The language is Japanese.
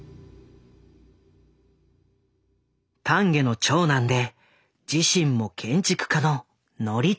丹下の長男で自身も建築家の憲孝。